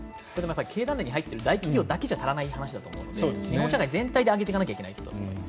経団連に入ってる大企業だけじゃ足らない話だと思うので日本社会全体で上げていかないといけないと思います。